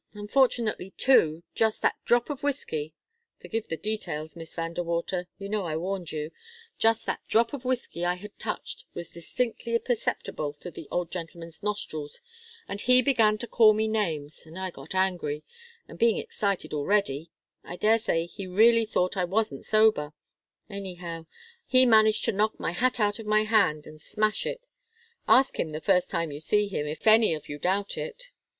Unfortunately, too, just that drop of whiskey forgive the details, Miss Van De Water you know I warned you just that drop of whiskey I had touched was distinctly perceptible to the old gentleman's nostrils, and he began to call me names, and I got angry, and being excited already, I daresay he really thought I wasn't sober. Anyhow, he managed to knock my hat out of my hand and smash it ask him the first time you see him, if any of you doubt it."